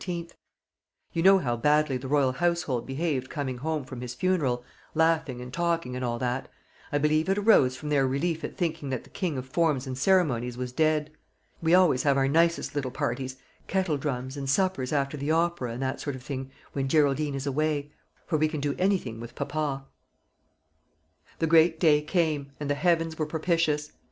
You know how badly the royal household behaved coming home from his funeral, laughing and talking and all that: I believe it arose from their relief at thinking that the king of forms and ceremonies was dead. We always have our nicest little parties kettle drums, and suppers after the opera, and that sort of thing when Geraldine is away; for we can do anything with papa." The great day came, and the heavens were propitious.